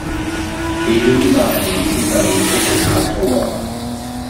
Emily va ad un appuntamento con un altro uomo.